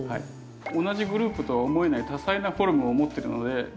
同じグループとは思えない多彩なフォルムを持ってるので。